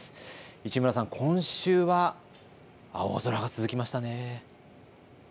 市村さん、今週は青空が続きましたね。